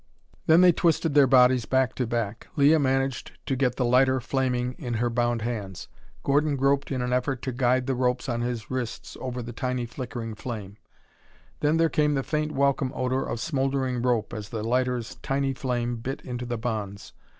Then they twisted their bodies back to back. Leah managed to get the lighter flaming in her bound hands. Gordon groped in an effort to guide the ropes on his wrists over the tiny flickering flame. Then there came the faint welcome odor of smoldering rope as the lighter's tiny flame bit into the bonds.